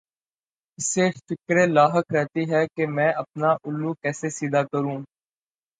اسے فکر لاحق رہتی ہے کہ میں اپنا الو کیسے سیدھا کروں۔